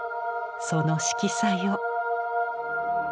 その色彩を。